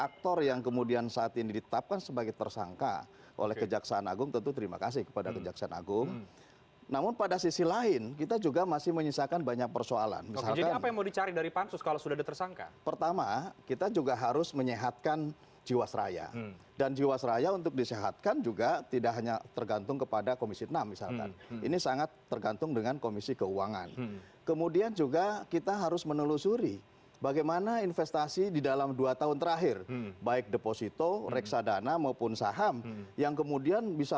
kan kementerian bumn sudah mengupayakan